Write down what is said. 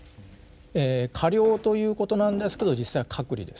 え加療ということなんですけど実際は隔離です。